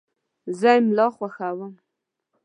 زه املا خوښوم.